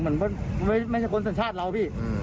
เหมือนไม่มีสมชาติเราพี่